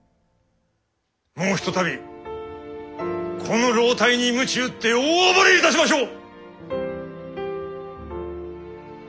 もう一たびこの老体にむち打って大暴れいたしましょう！